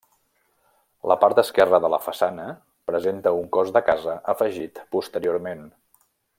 La part esquerra de la façana presenta un cos de casa afegit posteriorment.